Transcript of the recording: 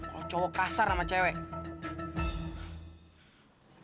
yang cowok kasar sama cewek